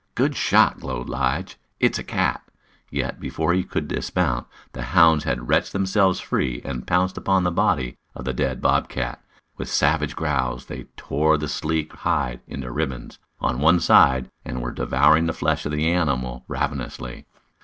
"Good shot!" glowed Lige. "It's a cat." Yet, before he could dismount, the hounds had wrenched themselves free and pounced upon the body of the dead bob cat. With savage growls they tore the sleek hide into ribbons, on one side, and were devouring the flesh of the animal ravenously.